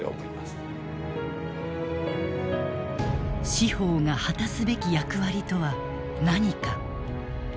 司法が果たすべき役割とは何か。